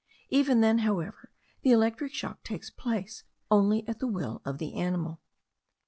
Even then, however, the electric shock takes place only at the will of the animal.